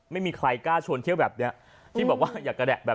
ไม่มีใครกล้าชนเที่ยวแบบเนี่ย